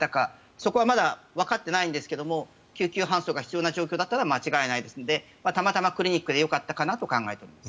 そこはまだわかっていないんですが救急搬送が必要な状況だったことは間違いないですのでたまたまクリニックでよかったかなと考えてます。